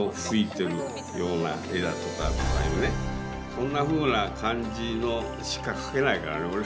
そんなふうな感じのしか描けないからね。